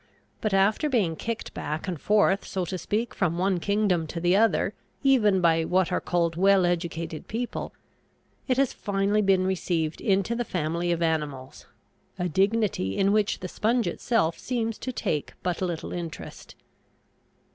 But after being kicked back and forth, so to speak, from one kingdom to the other, even by what are called well educated people, it has finally been received into the family of animals; a dignity in which the sponge itself seems to take but little interest.